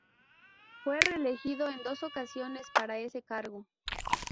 Fue reelegido en dos ocasiones para ese cargo.